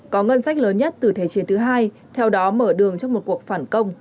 có ngân sách lớn nhất từ thế chiến thứ hai theo đó mở đường cho một cuộc phản công